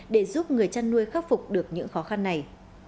để giúp người chăn nuôi khắc phục được những khó khăn này